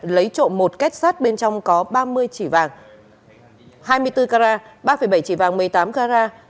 lấy trộm một kết sát bên trong có ba mươi chỉ vàng hai mươi bốn carat ba bảy chỉ vàng một mươi tám carat